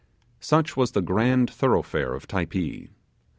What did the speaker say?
Such was the grand thoroughfare of Typee.